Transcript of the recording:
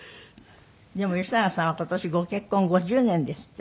でも吉永さんは今年ご結婚５０年ですって？